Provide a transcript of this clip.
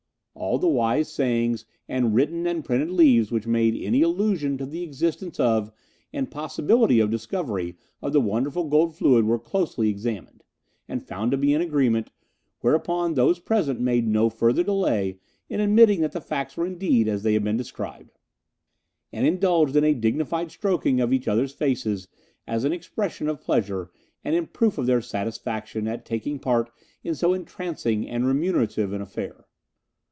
All the wise sayings and written and printed leaves which made any allusion to the existence of and possibility of discovery of the wonderful gold fluid were closely examined, and found to be in agreement, whereupon those present made no further delay in admitting that the facts were indeed as they had been described, and indulged in a dignified stroking of each other's faces as an expression of pleasure and in proof of their satisfaction at taking part in so entrancing and remunerative an affair.